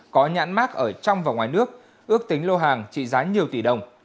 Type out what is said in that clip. có nhãn mát ở trong và ngoài nước ước tính lô hàng trị giá nhiều tỷ đồng